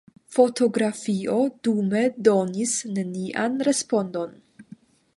Fotografio dume donis nenian respondon.